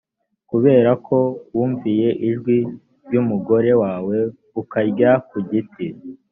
kubera ko wumviye ijwi ry umugore wawe ukarya ku giti